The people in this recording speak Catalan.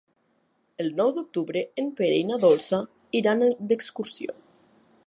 El nou d'octubre en Pere i na Dolça iran d'excursió.